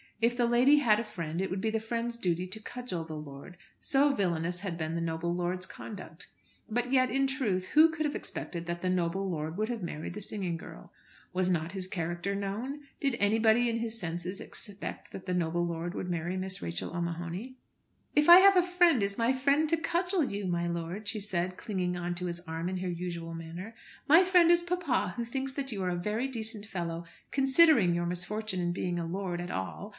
If the lady had a friend, it would be the friend's duty to cudgel the lord, so villainous had been the noble lord's conduct. But yet, in truth, who could have expected that the noble lord would have married the singing girl? Was not his character known? Did anybody in his senses expect that the noble lord would marry Miss Rachel O'Mahony? "If I have a friend, is my friend to cudgel you, my lord?" she said, clinging on to his arm in her usual manner. "My friend is papa, who thinks that you are a very decent fellow, considering your misfortune in being a lord at all.